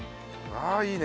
ああいいね。